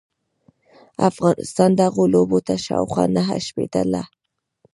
افغانستان دغو لوبو ته شاوخوا نهه شپیته ل